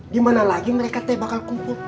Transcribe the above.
dimana lagi mereka teh bakal kumpul